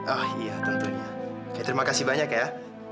ah iya tentunya oke terima kasih banyak ya